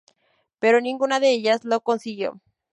Pero ninguna de ellas lo consiguió.